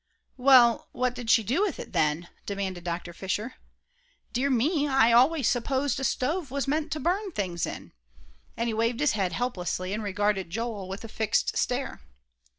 "Well, what did she do with it, then?" demanded Dr. Fisher. "Dear me, I always supposed a stove was meant to burn things in," and he waved his head helplessly, and regarded Joel with a fixed stare.